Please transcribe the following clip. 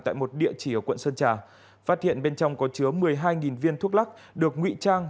tại một địa chỉ ở quận sơn trà phát hiện bên trong có chứa một mươi hai viên thuốc lắc được nguy trang